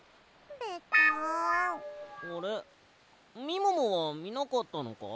みももはみなかったのか？